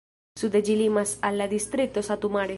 Sude ĝi limas al la distrikto Satu Mare.